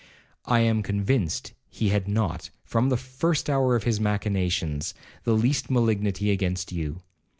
I am convinced he had not, from the first hour of his machinations, the least malignity against you.